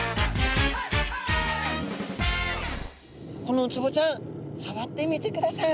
このウツボちゃんさわってみてください。